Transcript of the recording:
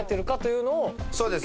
そうです。